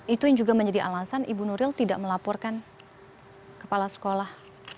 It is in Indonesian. itu yang juga menjadi alasan ibu nuril tidak melaporkan kepala sekolah